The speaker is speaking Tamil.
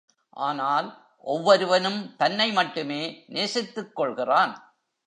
ஆனால், ஒவ்வொருவனும் தன்னை மட்டுமே நேசித்துக் கொள்கிறான்.